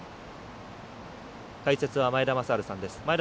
解説は前田正治さんです。